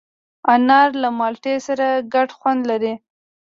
انار له مالټې سره ګډ خوند لري.